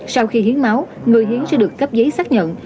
sau khi hiến máu người hiến sẽ được cấp giấy xác nhận